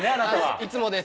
いつもです。